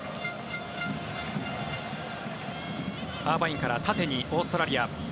アーバインから縦にオーストラリア。